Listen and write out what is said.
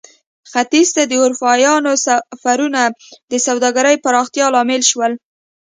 ختیځ ته د اروپایانو سفرونه د سوداګرۍ پراختیا لامل شول.